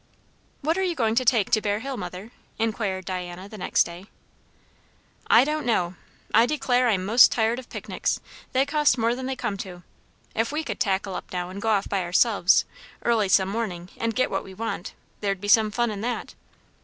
"What are you going to take to Bear Hill, mother?" inquired Diana the next day. "I don't know! I declare, I'm 'most tired of picnics; they cost more than they come to. If we could tackle up, now, and go off by ourselves, early some morning, and get what we want there'd be some fun in that."